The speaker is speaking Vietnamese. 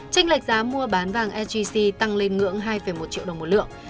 tranh lịch mua bán vàng sgc tăng lên ngưỡng hai một triệu đồng một lượng